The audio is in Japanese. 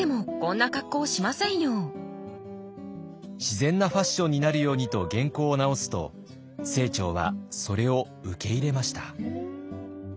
自然なファッションになるようにと原稿を直すと清張はそれを受け入れました。